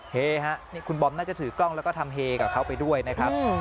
เฮฮะนี่คุณบอมน่าจะถือกล้องแล้วก็ทำเฮกับเขาไปด้วยนะครับ